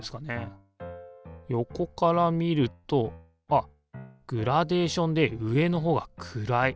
横から見るとあっグラデーションで上のほうが暗い。